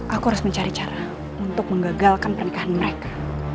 aku harus mencari cara untuk menggagalkan pernikahan mereka